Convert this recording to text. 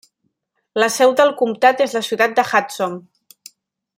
La seu del comtat és la ciutat de Hudson.